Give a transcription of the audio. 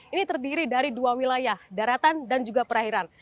ini terdiri dari dua wilayah daratan dan juga perairan